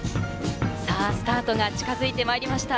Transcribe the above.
スタートが近づいてまいりました。